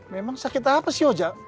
memang sakit apa sih oja